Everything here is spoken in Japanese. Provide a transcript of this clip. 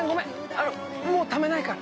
あのもうためないから。